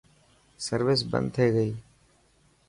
سروس بند ٿي گئي.